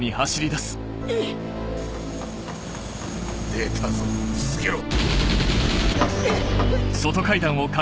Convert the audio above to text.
出たぞ続けろ。